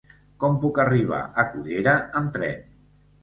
Com puc arribar a Cullera amb tren?